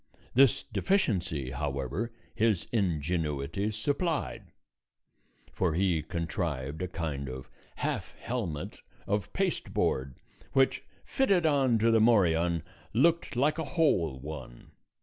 This deficiency, however, his ingenuity supplied, for he contrived a kind of half helmet of pasteboard which, fitted on to the morion, looked like a whole one.